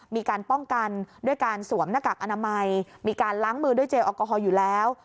มีการป้องกันด้วยการสวมหน้ากากอนามัยมีการล้างมือด้วยเจลแอลกอฮอลอยู่แล้ว